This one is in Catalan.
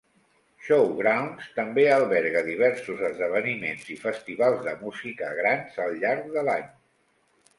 Showgrounds també alberga diversos esdeveniments i festivals de música grans al llarg de l'any.